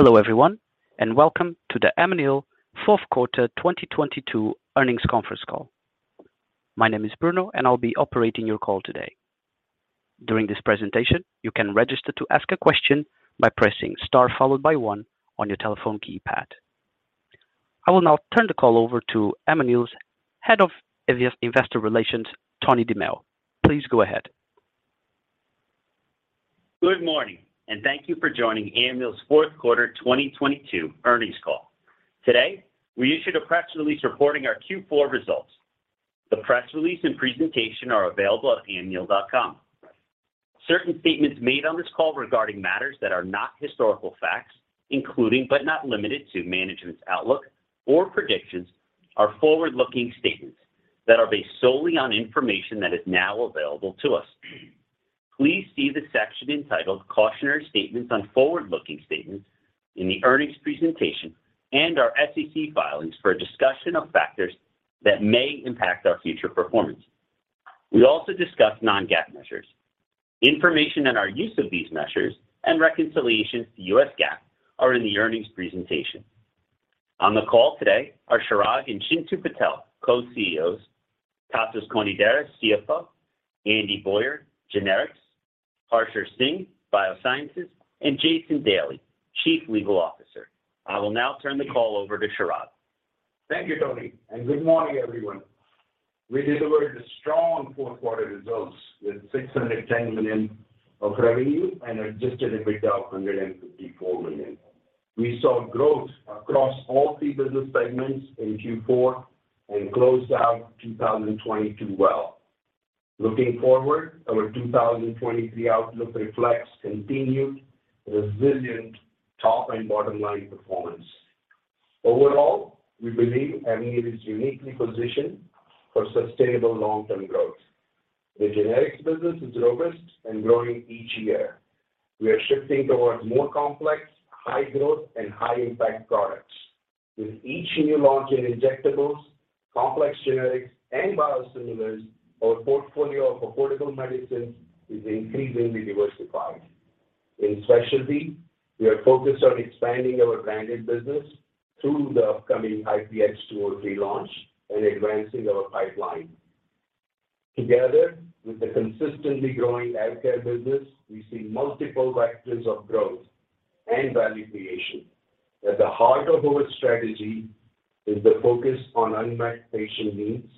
Hello everyone, welcome to the Amneal fourth quarter 2022 earnings conference call. My name is Bruno and I'll be operating your call today. During this presentation, you can register to ask a question by pressing Star followed by 1 on your telephone keypad. I will now turn the call over to Amneal's Head of Investor Relations, Anthony DiMeo. Please go ahead. Good morning, thank you for joining Amneal's fourth quarter 2022 earnings call. Today, we issued a press release reporting our Q4 results. The press release and presentation are available at amneal.com. Certain statements made on this call regarding matters that are not historical facts, including, but not limited to, management's outlook or predictions, are forward-looking statements that are based solely on information that is now available to us. Please see the section entitled Cautionary Statements on Forward-Looking Statements in the earnings presentation and our SEC filings for a discussion of factors that may impact our future performance. We also discuss non-GAAP measures. Information on our use of these measures and reconciliations to US GAAP are in the earnings presentation. On the call today are Chirag and Chintu Patel, Co-CEOs, Tasos Konidaris, CFO, Andy Boyer, Generics, Harsher Singh, Biosciences, and Jason Daly, Chief Legal Officer. I will now turn the call over to Chirag. Thank you, Tony, and good morning, everyone. We delivered a strong fourth quarter results with $610 million of revenue and Adjusted EBITDA of $154 million. We saw growth across all three business segments in Q4 and closed out 2022 well. Looking forward, our 2023 outlook reflects continued resilient top and bottom line performance. Overall, we believe Amneal is uniquely positioned for sustainable long-term growth. The generics business is robust and growing each year. We are shifting towards more complex, high growth and high impact products. With each new launch in injectables, complex generics and biosimilars, our portfolio of affordable medicines is increasingly diversified. In specialty, we are focused on expanding our branded business through the upcoming IPX-203 launch and advancing our pipeline. Together, with the consistently growing eye care business, we see multiple vectors of growth and value creation. At the heart of our strategy is the focus on unmet patient needs,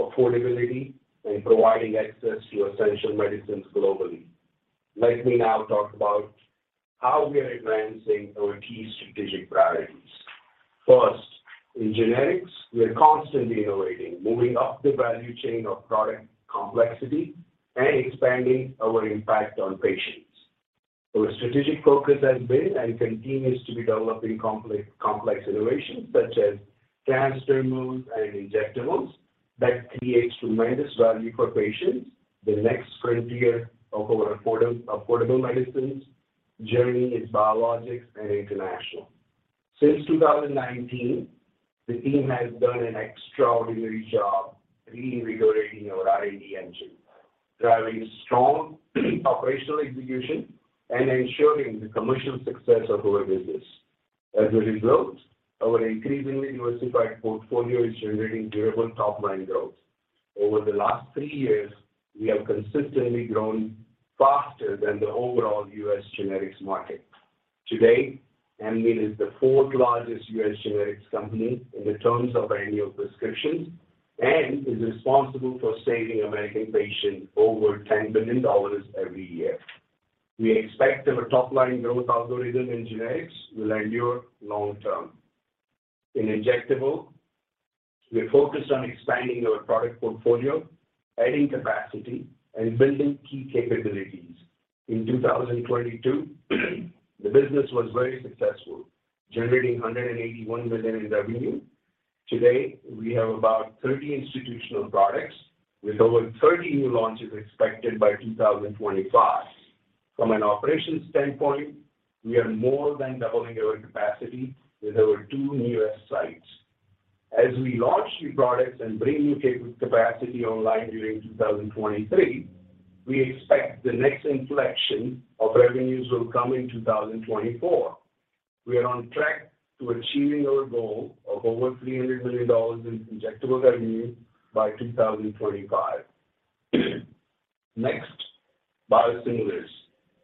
affordability, and providing access to essential medicines globally. Let me now talk about how we are advancing our key strategic priorities. First, in generics, we are constantly innovating, moving up the value chain of product complexity and expanding our impact on patients. Our strategic focus has been and continues to be developing complex innovations such as transdermal and injectables that creates tremendous value for patients, the next frontier of our affordable medicines, journey in biologics and international. Since 2019, the team has done an extraordinary job reinvigorating our R&D engine, driving strong operational execution and ensuring the commercial success of our business. As a result, our increasingly diversified portfolio is generating durable top line growth. Over the last three years, we have consistently grown faster than the overall U.S. generics market. Today, Amneal is the fourth largest U.S. generics company in the terms of annual prescriptions and is responsible for saving American patients over $10 billion every year. We expect our top line growth algorithm in generics will endure long term. In injectable, we are focused on expanding our product portfolio, adding capacity and building key capabilities. In 2022, the business was very successful, generating $181 million in revenue. Today, we have about 30 institutional products with over 30 new launches expected by 2025. From an operations standpoint, we are more than doubling our capacity with our 2 newest sites. As we launch new products and bring new capacity online during 2023, we expect the next inflection of revenues will come in 2024. We are on track to achieving our goal of over $300 million in injectable revenue by 2025. Biosimilars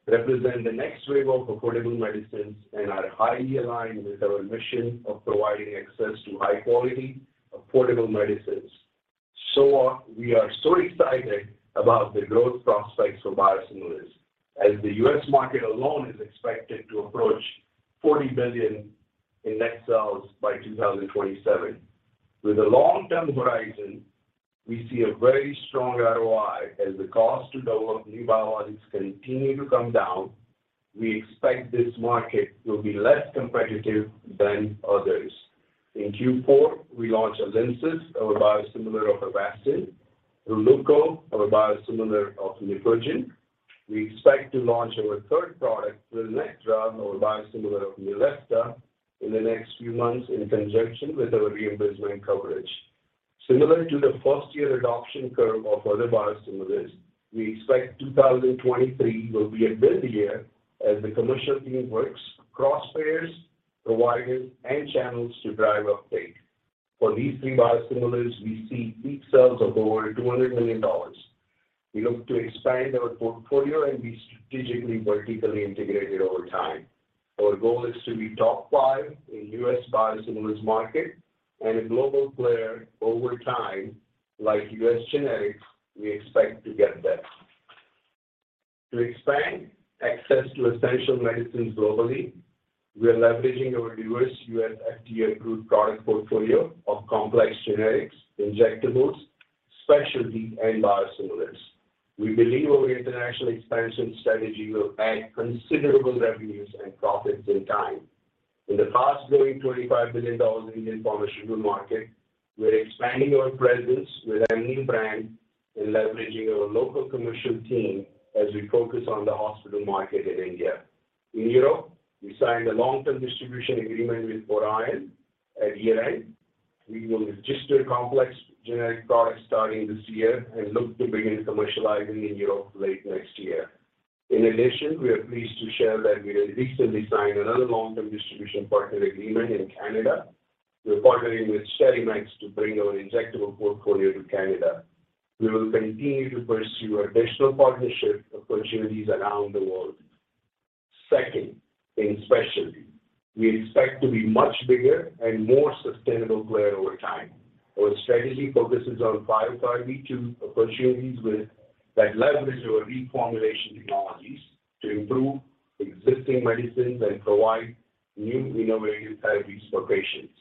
represent the next wave of affordable medicines and are highly aligned with our mission of providing access to high quality, affordable medicines. We are so excited about the growth prospects for biosimilars, as the U.S. market alone is expected to approach $40 billion in net sales by 2027. With a long-term horizon, we see a very strong ROI as the cost to develop new biologics continue to come down. We expect this market will be less competitive than others. In Q4, we launched ALYMSYS, our biosimilar of Avastin, RELEUKO, our biosimilar of Neupogen. We expect to launch our third product, FYLNETRA, our biosimilar of Neulasta, in the next few months in conjunction with our reimbursement coverage. Similar to the first-year adoption curve of other biosimilars, we expect 2023 will be a build year as the commercial team works across payers, providers, and channels to drive uptake. For these three biosimilars, we see peak sales of over $200 million. We look to expand our portfolio and be strategically vertically integrated over time. Our goal is to be top five in U.S. biosimilars market and a global player over time. Like U.S. generics, we expect to get there. To expand access to essential medicines globally, we are leveraging our diverse U.S. FDA-approved product portfolio of complex generics, injectables, specialty, and biosimilars. We believe our international expansion strategy will add considerable revenues and profits in time. In the fast-growing $25 billion Indian pharmaceutical market, we're expanding our presence with our new brand and leveraging our local commercial team as we focus on the hospital market in India. In Europe, we signed a long-term distribution agreement with Orion. At year-end, we will register complex generic products starting this year and look to begin commercializing in Europe late next year. In addition, we are pleased to share that we have recently signed another long-term distribution partner agreement in Canada. We're partnering with SteriMax to bring our injectable portfolio to Canada. We will continue to pursue additional partnership opportunities around the world. Second, in specialty, we expect to be much bigger and more sustainable player over time. Our strategy focuses on 552 opportunities with... that leverage our reformulation technologies to improve existing medicines and provide new innovative therapies for patients.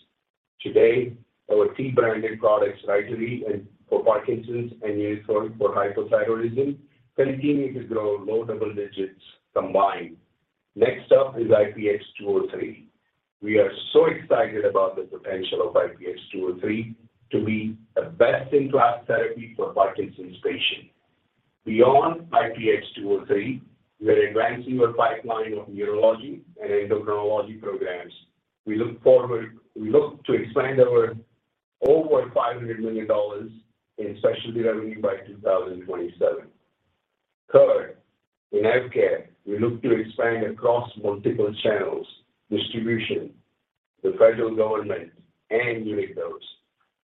Today, our key branded products, Rytary for Parkinson's and Unithroid for hypothyroidism, continue to grow low double digits combined. Next up is IPX203. We are so excited about the potential of IPX203 to be the best-in-class therapy for Parkinson's patients. Beyond IPX203, we are advancing our pipeline of neurology and endocrinology programs. We look to expand our over $500 million in specialty revenue by 2027. Third, in AvKARE, we look to expand across multiple channels, distribution, the federal government, and unique bills.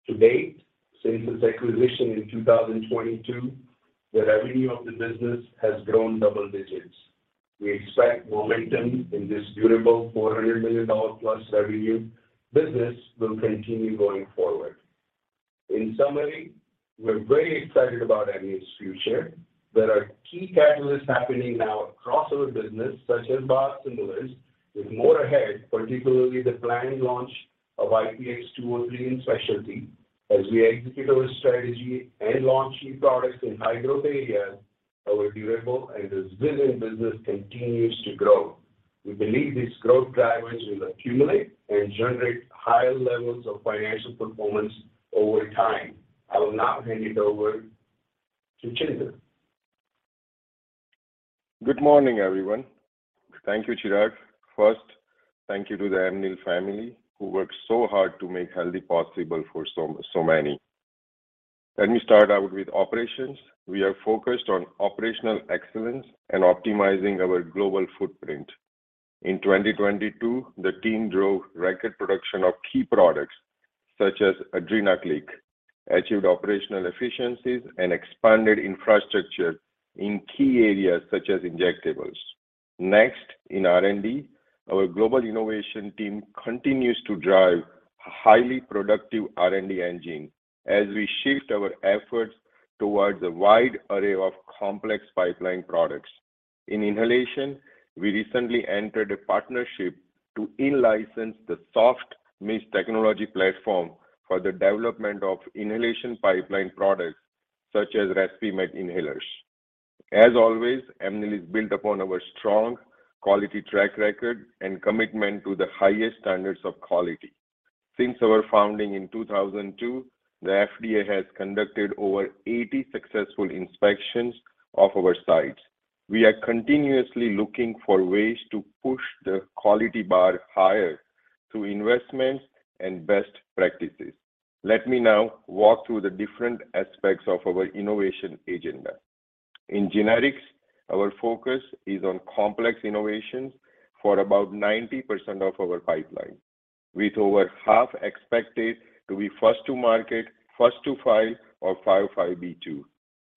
To date, since its acquisition in 2022, the revenue of the business has grown double digits. We expect momentum in this durable $400 million-plus revenue business will continue going forward. In summary, we're very excited about Amneal's future. There are key catalysts happening now across our business, such as biosimilars, with more ahead, particularly the planned launch of IPX-203 in specialty. As we execute our strategy and launch new products in high-growth areas, our durable and resilient business continues to grow. We believe these growth drivers will accumulate and generate higher levels of financial performance over time. I will now hand it over to Chintu. Good morning, everyone. Thank you, Chirag. First, thank you to the Amneal family who work so hard to make healthy possible for so many. Let me start out with operations. We are focused on operational excellence and optimizing our global footprint. In 2022, the team drove record production of key products such as Adrenaclick, achieved operational efficiencies, and expanded infrastructure in key areas such as injectables. Next, in R&D, our global innovation team continues to drive highly productive R&D engine as we shift our efforts towards a wide array of complex pipeline products. In inhalation, we recently entered a partnership to in-license the soft mist technology platform for the development of inhalation pipeline products such as Respimet inhalers. As always, Amneal is built upon our strong quality track record and commitment to the highest standards of quality. Since our founding in 2002, the FDA has conducted over 80 successful inspections of our sites. We are continuously looking for ways to push the quality bar higher through investments and best practices. Let me now walk through the different aspects of our innovation agenda. In generics, our focus is on complex innovations for about 90% of our pipeline, with over half expected to be first to market, first to file or 505(b)(2).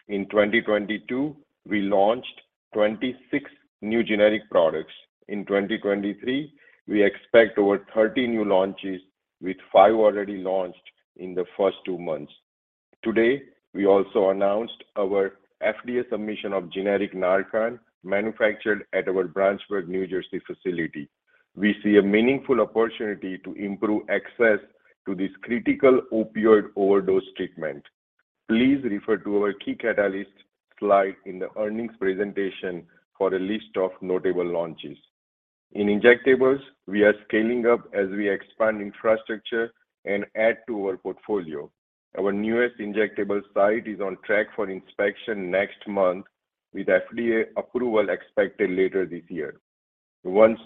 In 2022, we launched 26 new generic products. In 2023, we expect over 30 new launches, with five already launched in the first two months. Today, we also announced our FDA submission of generic Narcan, manufactured at our Branchburg, New Jersey facility. We see a meaningful opportunity to improve access to this critical opioid overdose treatment. Please refer to our key catalyst slide in the earnings presentation for a list of notable launches. In injectables, we are scaling up as we expand infrastructure and add to our portfolio. Our newest injectable site is on track for inspection next month, with FDA approval expected later this year. Once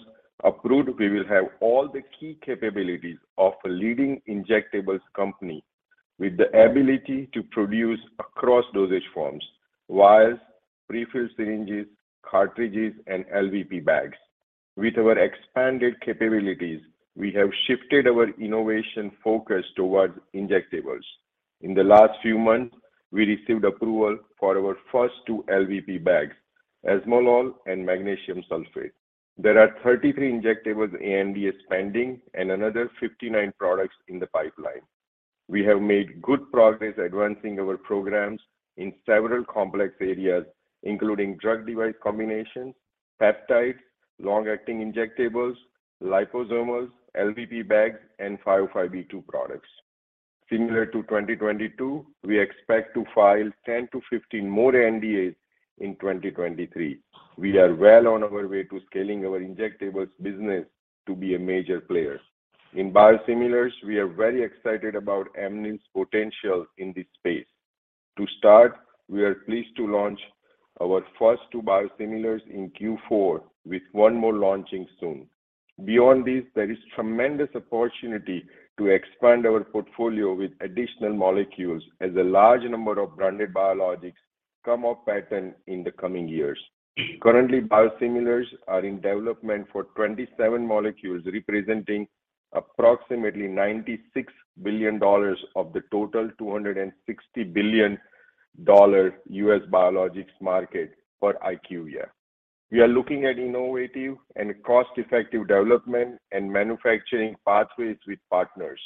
approved, we will have all the key capabilities of a leading injectables company with the ability to produce across dosage forms, vials, pre-filled syringes, cartridges, and LVP bags. With our expanded capabilities, we have shifted our innovation focus towards injectables. In the last few months, we received approval for our first two LVP bags, esmolol and magnesium sulfate. There are 33 injectables ANDAs pending and another 59 products in the pipeline. We have made good progress advancing our programs in several complex areas, including drug device combinations, peptides, long-acting injectables, liposomes, LVP bags, and 505(b)(2) products. Similar to 2022, we expect to file 10-15 more ANDAs in 2023. We are well on our way to scaling our injectables business to be a major player. In biosimilars, we are very excited about Amneal's potential in this space. To start, we are pleased to launch our first two biosimilars in Q4, with 1 more launching soon. Beyond this, there is tremendous opportunity to expand our portfolio with additional molecules as a large number of branded biologics come off pattern in the coming years. Currently, biosimilars are in development for 27 molecules, representing approximately $96 billion of the total $260 billion U.S. biologics market for IQVIA. We are looking at innovative and cost-effective development and manufacturing pathways with partners,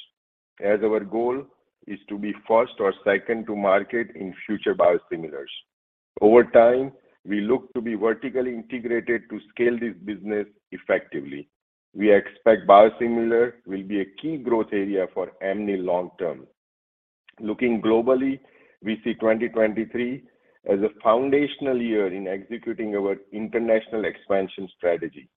as our goal is to be first or second to market in future biosimilars. Over time, we look to be vertically integrated to scale this business effectively. We expect biosimilar will be a key growth area for Amneal long term. Looking globally, we see 2023 as a foundational year in executing our international expansion strategy.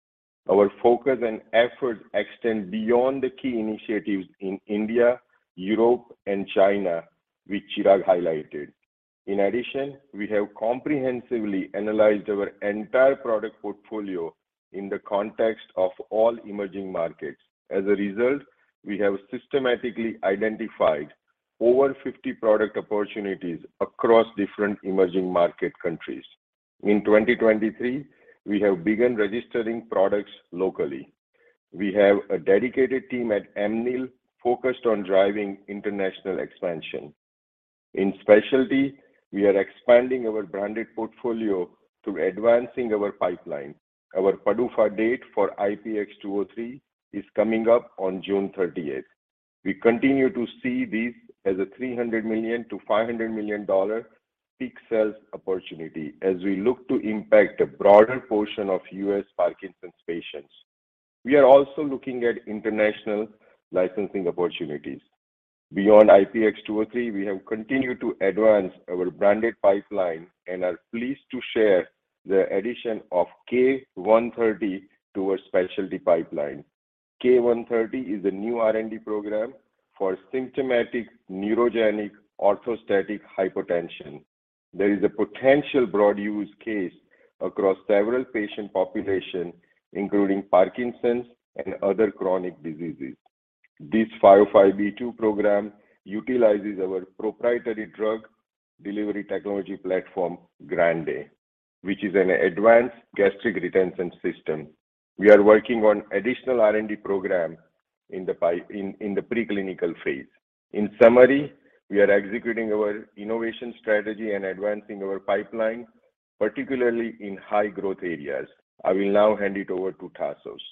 Our focus and efforts extend beyond the key initiatives in India, Europe, and China, which Chirag highlighted. In addition, we have comprehensively analyzed our entire product portfolio in the context of all emerging markets. As a result, we have systematically identified over 50 product opportunities across different emerging market countries. In 2023, we have begun registering products locally. We have a dedicated team at Amneal focused on driving international expansion. In specialty, we are expanding our branded portfolio through advancing our pipeline. Our PDUFA date for IPX-203 is coming up on June 30th. We continue to see this as a $300 million-$500 million peak sales opportunity as we look to impact a broader portion of U.S. Parkinson's patients. We are also looking at international licensing opportunities. Beyond IPX-203, we have continued to advance our branded pipeline and are pleased to share the addition of K-130 to our specialty pipeline. K-130 is a new R&D program for symptomatic neurogenic orthostatic hypotension. There is a potential broad use case across several patient population, including Parkinson's and other chronic diseases. This 505(b)(2) program utilizes our proprietary drug delivery technology platform, GRANDE, which is an advanced gastric retention system. We are working on additional R&D program in the preclinical phase. In summary, we are executing our innovation strategy and advancing our pipeline, particularly in high-growth areas. I will now hand it over to Tasos.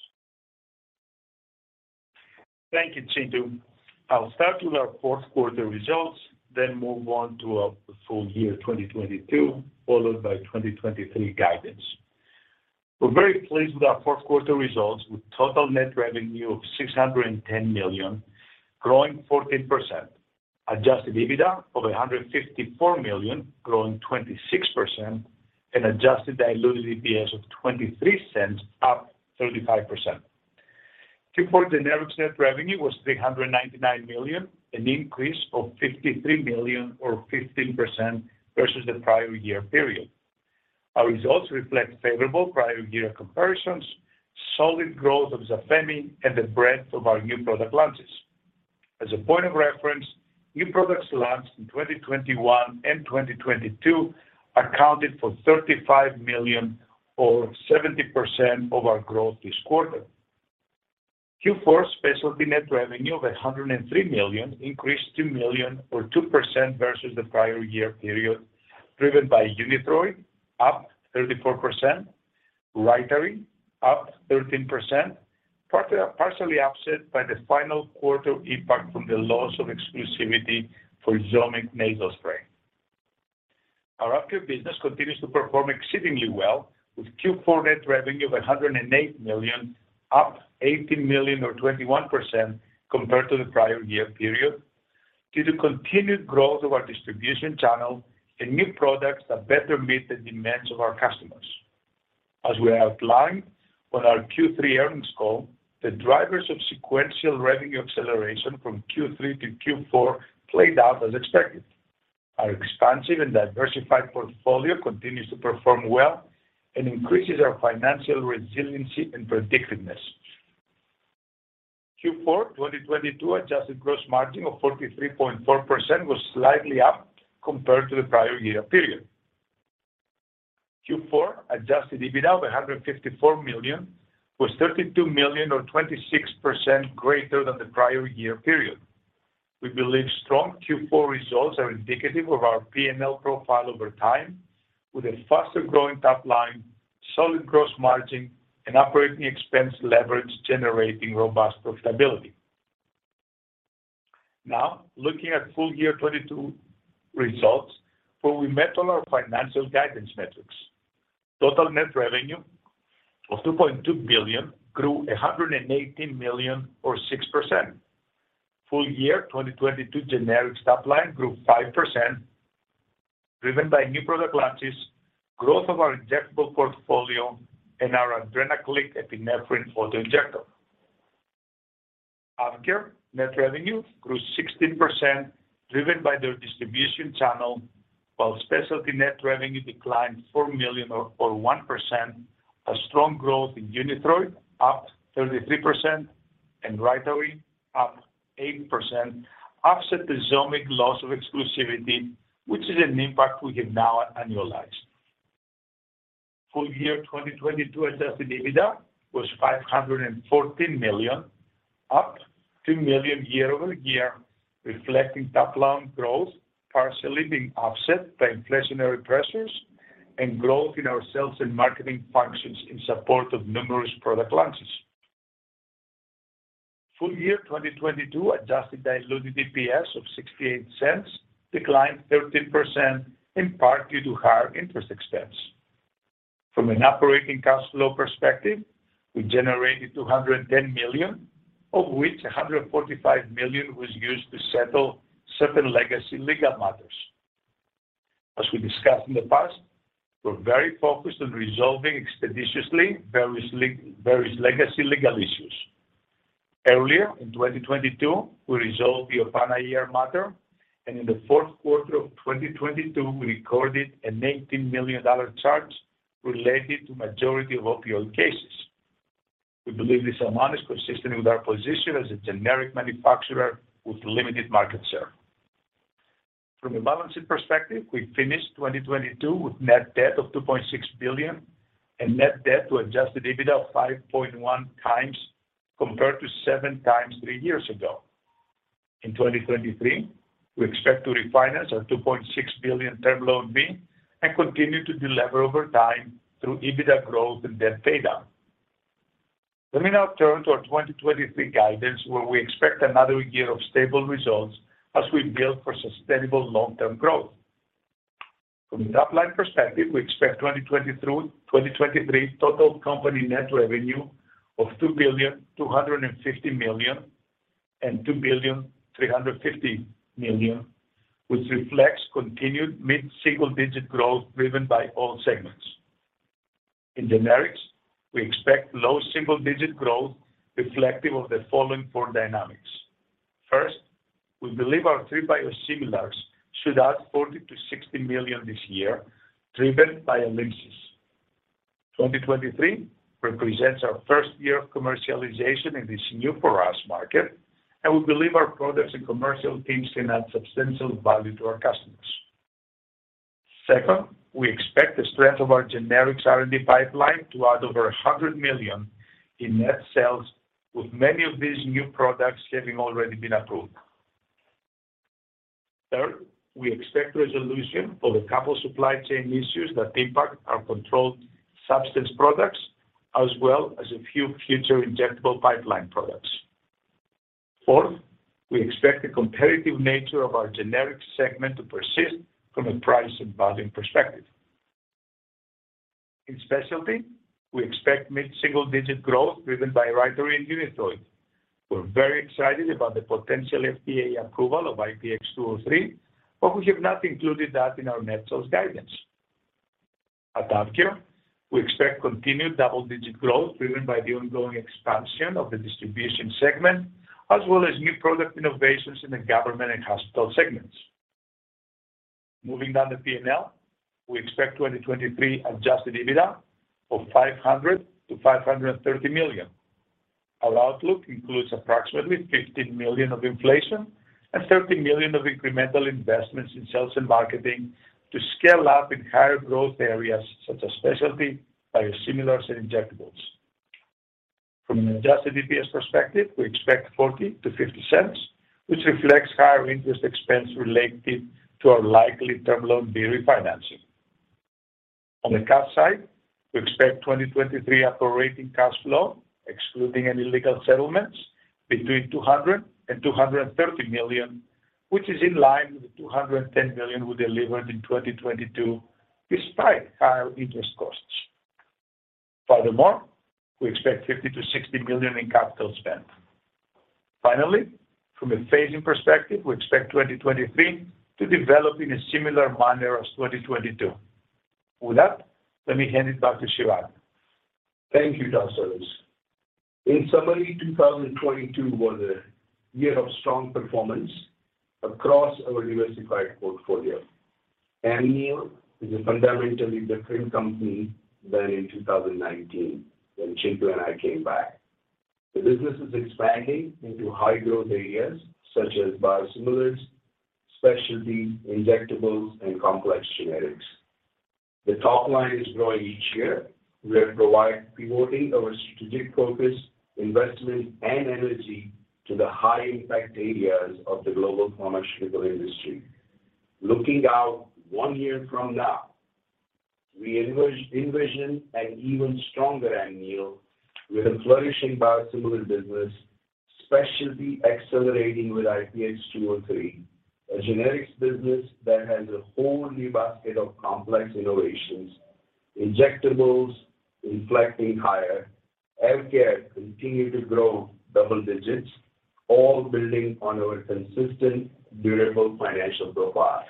Thank you, Chintu. I'll start with our fourth quarter results. Move on to our full year 2022, followed by 2023 guidance. We're very pleased with our fourth quarter results with total net revenue of $610 million, growing 14%, Adjusted EBITDA of $154 million, growing 26% and Adjusted Diluted EPS of $0.23, up 35%. Q4 generic net revenue was $399 million, an increase of $53 million or 15% versus the prior year period. Our results reflect favorable prior year comparisons, solid growth of Zafemy, and the breadth of our new product launches. As a point of reference, new products launched in 2021 and 2022 accounted for $35 million or 70% of our growth this quarter. Q4 specialty net revenue of $103 million increased $2 million or 2% versus the prior year period, driven by Unithroid, up 34%, Rytary, up 13%, partially offset by the final quarter impact from the loss of exclusivity for Zomig nasal spray. Our active business continues to perform exceedingly well with Q4 net revenue of $108 million, up $80 million or 21% compared to the prior year period due to continued growth of our distribution channel and new products that better meet the demands of our customers. As we outlined on our Q3 earnings call, the drivers of sequential revenue acceleration from Q3 to Q4 played out as expected. Our expansive and diversified portfolio continues to perform well and increases our financial resiliency and predictiveness. Q4 2022 Adjusted Gross Margin of 43.4% was slightly up compared to the prior year period. Q4 Adjusted EBITDA of $154 million was $32 million or 26% greater than the prior year period. We believe strong Q4 results are indicative of our PNL profile over time, with a faster-growing top line, solid gross margin, and operating expense leverage generating robust profitability. Looking at full year 2022 results where we met all our financial guidance metrics. Total net revenue of $2.2 billion grew $118 million or 6%. Full year 2022 generics top line grew 5%, driven by new product launches, growth of our injectable portfolio, and our Adrenaclick epinephrine auto-injector. AvKARE net revenue grew 16% driven by their distribution channel, while specialty net revenue declined $4 million or 1%. A strong growth in Unithroid, up 33%, and RYTARY, up 80%, offset the Zomig loss of exclusivity, which is an impact we have now annualized. Full year 2022 Adjusted EBITDA was $514 million, up $2 million year-over-year, reflecting top line growth, partially being offset by inflationary pressures and growth in our sales and marketing functions in support of numerous product launches. Full year 2022 Adjusted Diluted EPS of $0.68 declined 13% in part due to higher interest expense. From an operating cash flow perspective, we generated $210 million, of which $145 million was used to settle certain legacy legal matters. As we discussed in the past, we're very focused on resolving expeditiously various legacy legal issues. Earlier in 2022, we resolved the Opana ER matter. In the fourth quarter of 2022, we recorded an $18 million charge related to majority of opioid cases. We believe this amount is consistent with our position as a generic manufacturer with limited market share. From a balancing perspective, we finished 2022 with net debt of $2.6 billion and net debt to Adjusted EBITDA of 5.1 times compared to 7 times 3 years ago. In 2023, we expect to refinance our $2.6 billion Term Loan B and continue to delever over time through EBITDA growth and debt paydown. Let me now turn to our 2023 guidance, where we expect another year of stable results as we build for sustainable long-term growth. From a top-line perspective, we expect 2020 through 2023 total company net revenue of $2.25 billion and $2.35 billion, which reflects continued mid-single-digit growth driven by all segments. In generics, we expect low single-digit growth reflective of the following four dynamics. First, we believe our three biosimilars should add $40 million-$60 million this year, driven by Alymsys. 2023 represents our first year of commercialization in this new for us market, and we believe our products and commercial teams can add substantial value to our customers. Second, we expect the strength of our generics R&D pipeline to add over $100 million in net sales, with many of these new products having already been approved. Third, we expect resolution of a couple supply chain issues that impact our controlled substance products, as well as a few future injectable pipeline products. We expect the competitive nature of our generic segment to persist from a price and volume perspective. In specialty, we expect mid-single-digit growth driven by Rytary and Unithroid. We're very excited about the potential FDA approval of IPX-203, we have not included that in our net sales guidance. At AvKARE, we expect continued double-digit growth driven by the ongoing expansion of the distribution segment, as well as new product innovations in the government and hospital segments. Moving down the P&L, we expect 2023 Adjusted EBITDA of $500 million-$530 million. Our outlook includes approximately $15 million of inflation and $30 million of incremental investments in sales and marketing to scale up in higher growth areas such as specialty, biosimilars, and injectables. From an Adjusted EPS perspective, we expect $0.40-$0.50, which reflects higher interest expense related to our likely Term Loan B refinancing. On the cash side, we expect 2023 operating cash flow, excluding any legal settlements, between $200 million and $230 million, which is in line with the $210 million we delivered in 2022, despite higher interest costs. We expect $50 million-$60 million in capital spend. From a phasing perspective, we expect 2023 to develop in a similar manner as 2022. With that, let me hand it back to Chirag. Thank you, Tasos. In summary, 2022 was a year of strong performance across our diversified portfolio. Amneal is a fundamentally different company than in 2019 when Chintu and I came back. The business is expanding into high-growth areas such as biosimilars, specialty, injectables, and complex generics. The top line is growing each year. We have provided pivoting our strategic focus, investment, and energy to the high impact areas of the global pharmaceutical industry. Looking out one year from now, we envision an even stronger Amneal with a flourishing biosimilar business, specialty accelerating with IPX203, a generics business that has a whole new basket of complex innovations, injectables inflecting higher, healthcare continue to grow double digits, all building on our consistent, durable financial profile.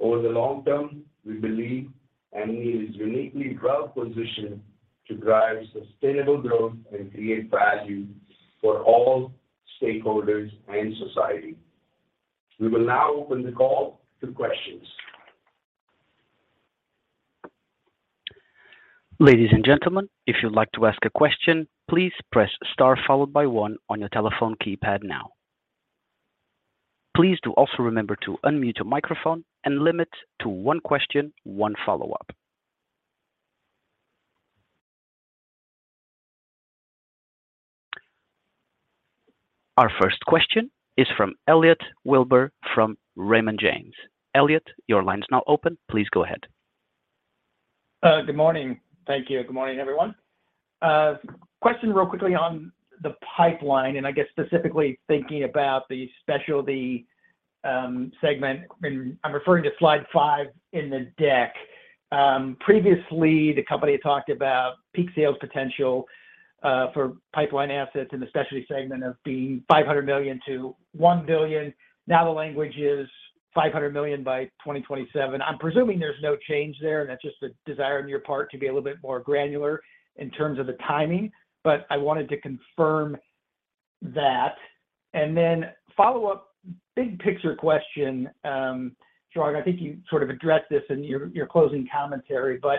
Over the long term, we believe Amneal is uniquely well-positioned to drive sustainable growth and create value for all stakeholders and society. We will now open the call to questions. Ladies and gentlemen, if you'd like to ask a question, please press star followed by one on your telephone keypad now. Please do also remember to unmute your microphone and limit to one question, one follow-up. Our first question is from Elliot Wilbur from Raymond James. Elliot, your line is now open. Please go ahead. Good morning. Thank you. Good morning, everyone. Question real quickly on the pipeline, I guess specifically thinking about the specialty segment, and I'm referring to slide 5 in the deck. Previously, the company had talked about peak sales potential for pipeline assets in the specialty segment of being $500 million to $1 billion. The language is $500 million by 2027. I'm presuming there's no change there, and that's just a desire on your part to be a little bit more granular in terms of the timing. I wanted to confirm that and then follow up, big picture question, Chirag, I think you sort of addressed this in your closing commentary, but,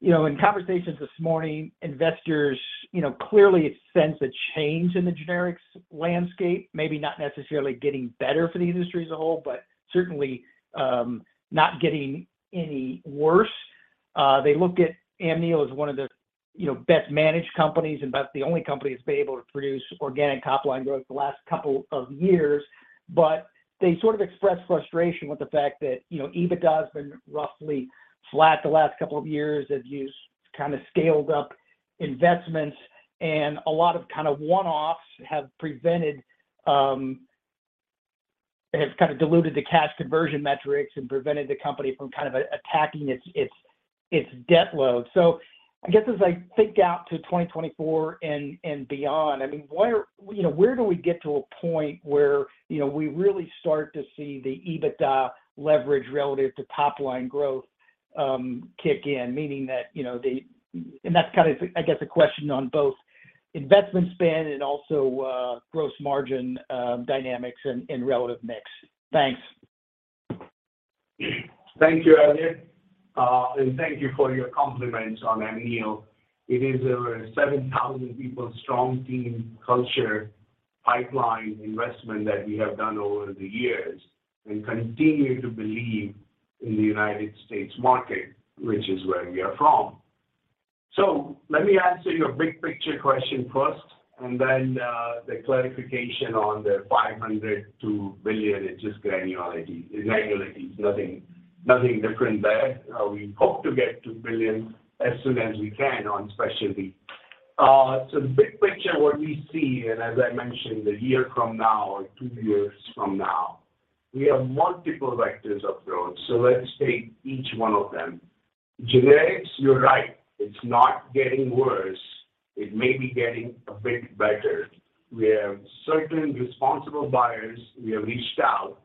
you know, in conversations this morning, investors, you know, clearly sense a change in the generics landscape, maybe not necessarily getting better for the industry as a whole, but certainly, not getting any worse. They look at Amneal as one of the, you know, best managed companies and about the only company that's been able to produce organic top line growth the last couple of years. They sort of express frustration with the fact that, you know, EBITDA has been roughly flat the last couple of years as you've kind of scaled up investments and a lot of kind of one-offs have prevented, have kind of diluted the cash conversion metrics and prevented the company from kind of attacking its debt load. I guess as I think out to 2024 and beyond, I mean, where, you know, where do we get to a point where, you know, we really start to see the EBITDA leverage relative to top line growth kick in? Meaning that, you know, that's kind of, I guess, a question on both investment spend and also gross margin dynamics and relative mix. Thanks. Thank you, Elliot. Thank you for your compliments on Amneal. It is over 7,000 people strong team culture pipeline investment that we have done over the years and continue to believe in the United States market, which is where we are from. Let me answer your big picture question first and then the clarification on the $500 to billion, it's just granularity. It's nothing different there. We hope to get to billion as soon as we can on specialty. The big picture what we see, as I mentioned, a year from now or two years from now, we have multiple vectors of growth. Let's take each one of them. Generics, you're right, it's not getting worse. It may be getting a bit better. We have certain responsible buyers, we have reached out.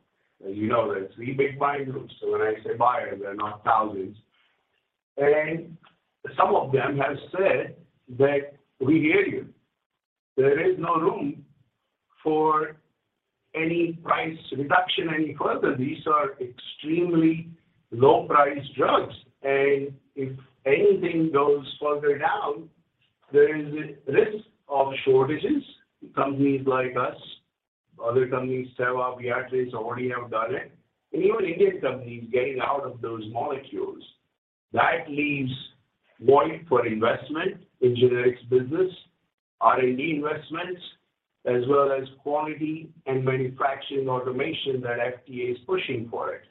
As you know, there's three big buying groups. When I say buyers, they're not thousands. Some of them have said that we hear you. There is no room for any price reduction any further. These are extremely low price drugs. If anything goes further down, there is a risk of shortages. Companies like us, other companies, Teva, Viatris already have done it, and even Indian companies getting out of those molecules. That leaves void for investment in generics business, R&D investments, as well as quality and manufacturing automation that FDA is pushing for it.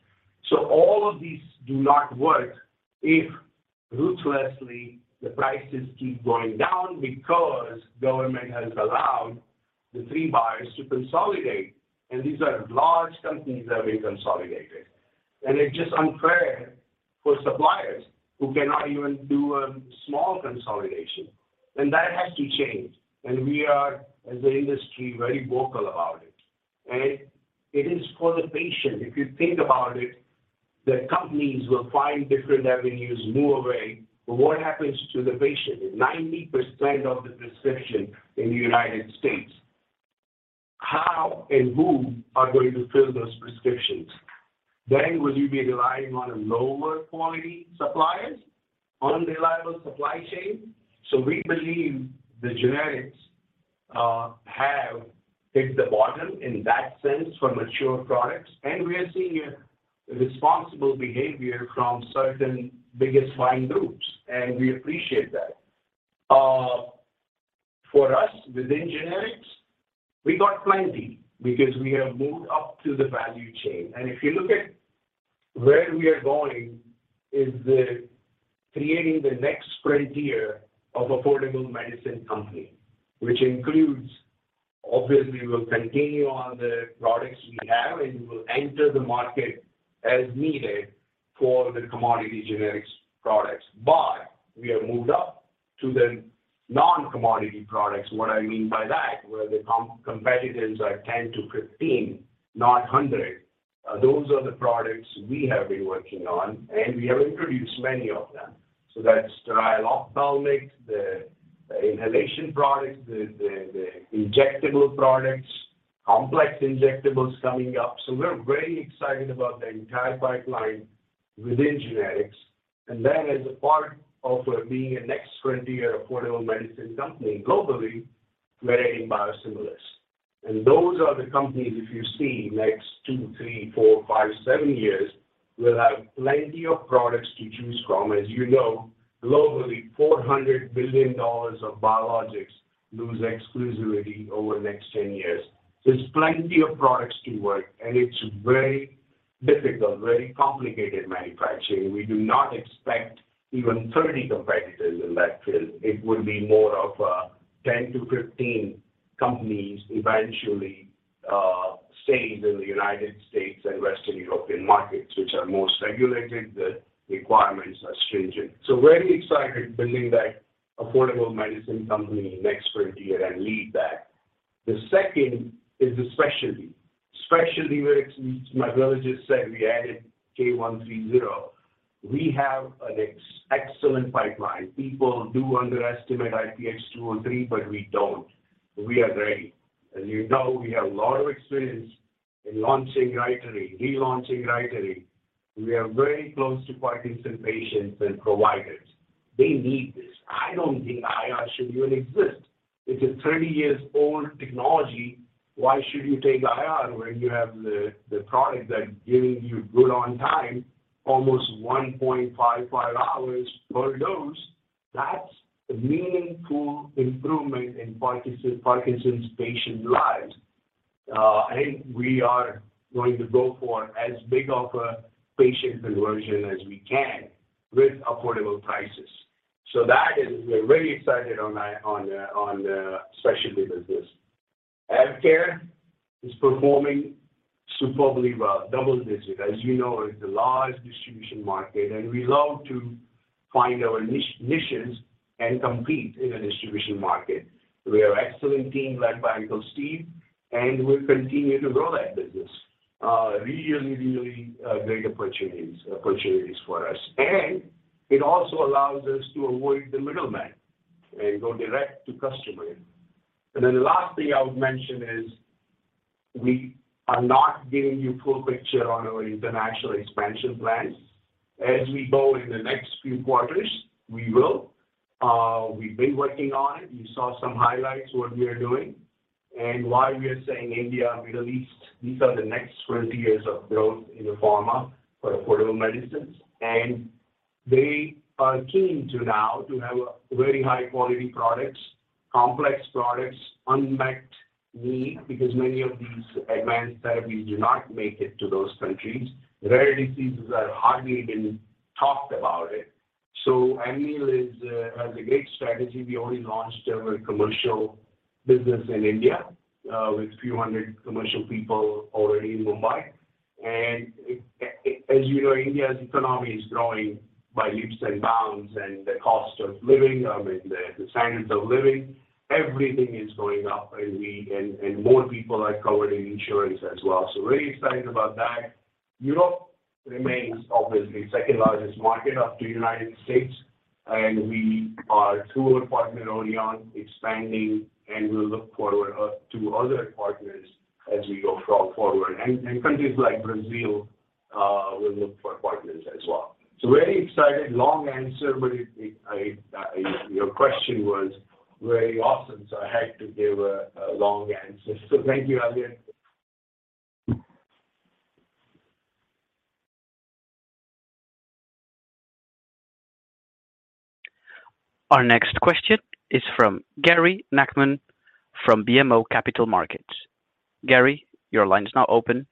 All of these do not work if ruthlessly the prices keep going down because government has allowed the three buyers to consolidate, and these are large companies that have been consolidated. It's just unfair for suppliers who cannot even do a small consolidation. That has to change. We are, as an industry, very vocal about it. It is for the patient, if you think about it. The companies will find different avenues, new array, but what happens to the patient? 90% of the prescription in the U.S., how and who are going to fill those prescriptions? Will you be relying on a lower quality suppliers, unreliable supply chain? We believe the generics have hit the bottom in that sense for mature products, and we are seeing a responsible behavior from certain biggest buying groups, and we appreciate that. For us within generics, we got plenty because we have moved up to the value chain. If you look at where we are going is the creating the next frontier of affordable medicine company, which includes, obviously, we will continue on the products we have, and we will enter the market as needed for the commodity generics products. We have moved up to the non-commodity products. What I mean by that, where the competitors are 10-15, not 100. Those are the products we have been working on, and we have introduced many of them. That's sterile ophthalmic, the inhalation products, the injectable products, complex injectables coming up. We're very excited about the entire pipeline within generics. As a part of being a next frontier affordable medicine company globally, we're in biosimilars. Those are the companies, if you see next 2, 3, 4, 5, 7 years, will have plenty of products to choose from. Globally, $400 billion of biologics lose exclusivity over the next 10 years. There's plenty of products to work, it's very difficult, very complicated manufacturing. We do not expect even 30 competitors in that field. It would be more of 10-15 companies eventually staying in the U.S. and Western European markets, which are more regulated, the requirements are stringent. Very excited building that affordable medicine company next frontier and lead that. The second is the specialty. Specialty, where as my brother just said, we added K-130. We have an excellent pipeline. People do underestimate IPX-203, we don't. We are ready. We have a lot of experience in launching Rytary, relaunching Rytary. We are very close to Parkinson's patients and providers. They need this. I don't think IR should even exist. It is 30 years old technology. Why should you take IR when you have the product that giving you good on time, almost 1.5 hours per dose? That's a meaningful improvement in Parkinson's patient lives. I think we are going to go for as big of a patient conversion as we can with affordable prices. That is we're very excited on the specialty business. AvKARE is performing superbly well, double-digit. As you know, it's a large distribution market, and we love to find our niches and compete in a distribution market. We have excellent team led by Uncle Steve, and we'll continue to grow that business. Really, big opportunities for us. It also allows us to avoid the middleman and go direct to customer. The last thing I would mention is we are not giving you full picture on our international expansion plans. As we go in the next few quarters, we will. We've been working on it. You saw some highlights what we are doing and why we are saying India and Middle East, these are the next 20 years of growth in the pharma for affordable medicines. They are keen to now to have very high quality products, complex products, unbacked need, because many of these advanced therapies do not make it to those countries. The rare diseases are hardly been talked about it. Amneal is has a great strategy. We already launched our commercial business in India with few hundred commercial people already in Mumbai. As you know, India's economy is growing by leaps and bounds, and the cost of living, and the standards of living, everything is going up, and more people are covering insurance as well. Really excited about that. Europe remains obviously second-largest market after United States, and we are two apartment early on expanding, and we look forward to other partners as we go forward. Countries like Brazil, we look for partners as well. Very excited. Long answer, but I, you know, your question was very awesome, so I had to give a long answer. Thank you, Elliot. Our next question is from Gary Nachman from BMO Capital Markets. Gary, your line is now open.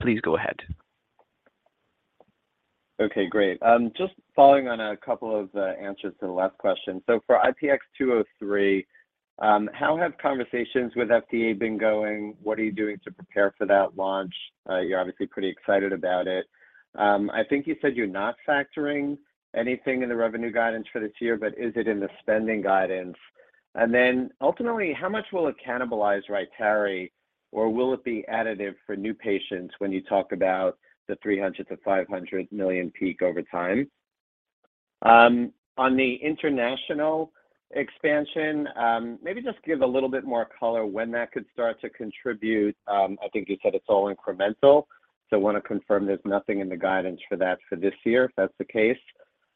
Please go ahead. Okay, great. Just following on a couple of answers to the last question. For IPX-203, how have conversations with FDA been going? What are you doing to prepare for that launch? You're obviously pretty excited about it. I think you said you're not factoring anything in the revenue guidance for this year, but is it in the spending guidance? Ultimately, how much will it cannibalize RYTARY or will it be additive for new patients when you talk about the $300 million-$500 million peak over time? On the international expansion, maybe just give a little bit more color when that could start to contribute. I think you said it's all incremental, so want to confirm there's nothing in the guidance for that for this year, if that's the case.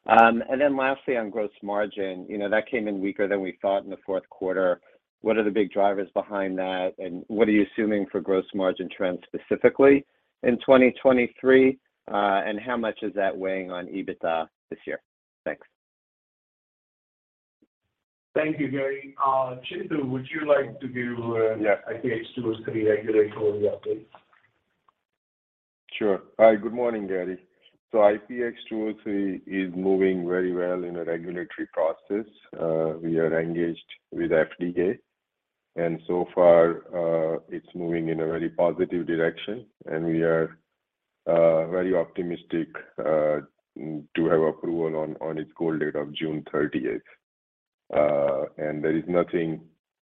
Lastly, on gross margin, you know, that came in weaker than we thought in the fourth quarter. What are the big drivers behind that, and what are you assuming for gross margin trends, specifically in 2023? How much is that weighing on EBITDA this year? Thanks. Thank you, Gary. Chintu, would you like to give. Yeah. IPX-203 regulatory update? Sure. Hi, good morning, Gary. IPX-203 is moving very well in a regulatory process. We are engaged with FDA, so far, it's moving in a very positive direction, we are very optimistic to have approval on its goal date of June 30th. There is nothing